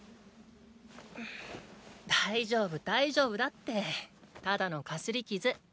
大丈夫大丈夫だってただのかすり傷。